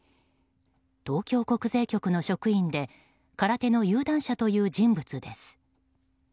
東京国税局の職員で空手の有段者という人物です。